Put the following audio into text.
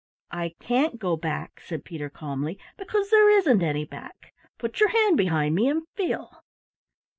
"I can't go back," said Peter calmly, "because there isn't any back. Put your hand behind me and feel."